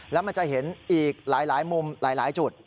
แล้วมันจะเห็นอีกหลายมุมหลายจุด